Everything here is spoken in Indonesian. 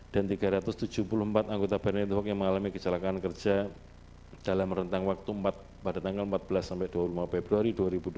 dan tiga ratus tujuh puluh empat anggota badan network yang mengalami kecelakaan kerja dalam rentang waktu pada tanggal empat belas sampai dua puluh lima februari dua ribu dua puluh empat